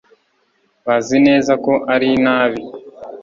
bazi neza ko ari inabi